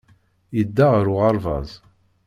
Yedda ɣer uɣerbaz.